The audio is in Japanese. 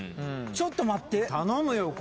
ちょっと待って。